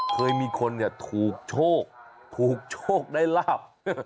เคยมีคนเนี่ยถูกโชคถูกโชคได้ลาบ